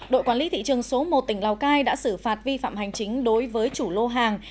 đội quản lý thị trường số một tỉnh lào cai đã xử phạt vi phạm hành chính đối với chủ lô hàng